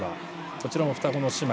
こちらも双子の姉妹。